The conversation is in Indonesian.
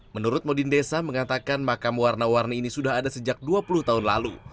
menurut modin desa mengatakan makam warna warni ini sudah ada sejak dua puluh tahun lalu